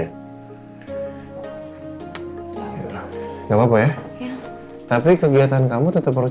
enggak papa ya tapi kegiatan kamu tetap harus